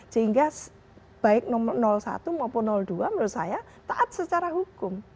sehingga baik satu maupun dua menurut saya taat secara hukum